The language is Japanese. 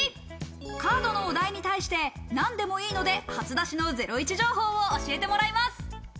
カードのお題に対して、何でもいいので初出しのゼロイチ情報を教えてもらいます。